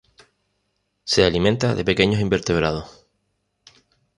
Se alimenta de pequeños invertebrados.